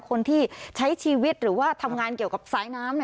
คนที่ใช้ชีวิตหรือว่าทำงานเกี่ยวกับสายน้ำ